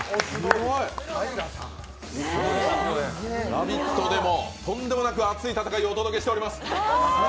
「ラヴィット！」でもとんでもなく熱い戦いをお送りしています。